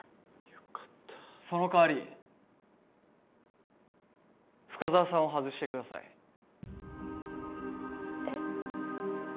よかったその代わり深沢さんを外してくださいえっ？